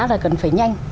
là cần phải nhanh